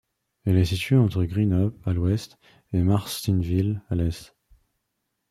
Elle est située entre Greenup, à l'ouest, et Martinsville, à l'est.